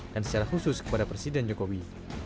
dan secara khusus kepada presiden jokowi